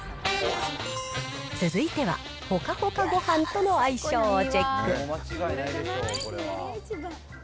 続いては、ほかほかごはんとの相性をチェック。